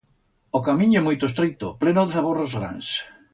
O camín ye muito estreito, pleno de zaborros grans.